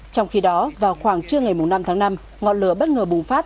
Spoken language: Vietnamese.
trong khi đó vào khoảng trưa ngày năm tháng năm ngọn lửa bất ngờ bùng phát